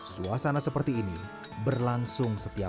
suasana seperti ini berlangsung sepenuhnya